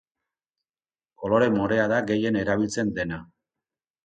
Kolore morea da gehien erabiltzen dena.